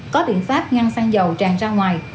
có biện pháp ngăn xăng dầu tràn ra ngoài